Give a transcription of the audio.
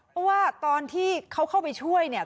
เพราะว่าตอนที่เขาเข้าไปช่วยเนี่ย